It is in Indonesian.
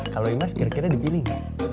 kalau ini mas kira kira dipilih